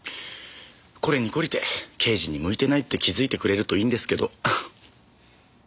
これに懲りて刑事に向いてないって気づいてくれるといいんですけど。